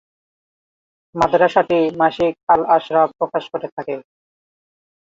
মাদ্রাসাটি মাসিক "আল-আশরাফ" প্রকাশ করে থাকে।